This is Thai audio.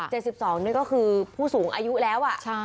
เจ็ดสิบสองนี่ก็คือผู้สูงอายุแล้วอ่ะใช่